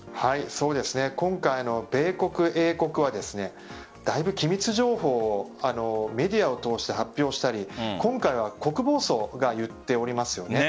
今回米国、英国はだいぶ機密情報をメディアを通して発表したり今回は国防相が言っておりますよね。